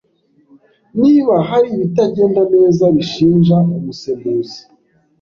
Niba hari ibitagenda neza, bishinja umusemuzi.